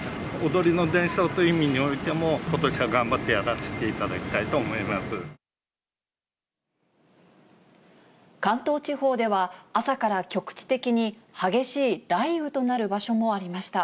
踊りの伝承という意味においても、ことしは頑張ってやらせていただ関東地方では、朝から局地的に激しい雷雨となる場所もありました。